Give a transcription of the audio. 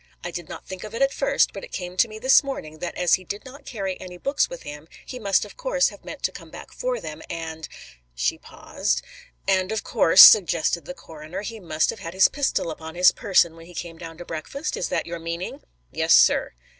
I did not think of it at first, but it came to me this morning that as he did not carry any books with him, he must of course have meant to come back for them, and " She paused. "And, of course," suggested the coroner, "he must have had his pistol upon his person when he came down to breakfast? Is that your meaning?" "Yes, sir."